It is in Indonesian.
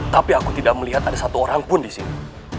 tapi aku tidak melihat ada satu orang pun disini